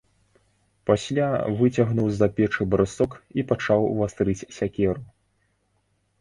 Пасля выцягнуў з-за печы брусок і пачаў вастрыць сякеру.